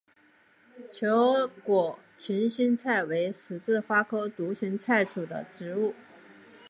球果群心菜为十字花科独行菜属的植物。